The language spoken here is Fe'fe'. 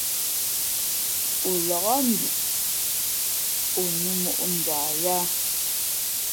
O lǎk nduʼ, o nū mǒʼ njah yāā.